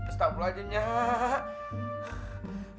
setapu aja nyak